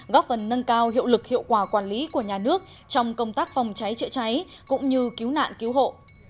góp phần nâng cao hiệu lực hiệu quả quản lý của nhà nước trong công tác phòng cháy chữa cháy cũng như cứu nạn cứu hộ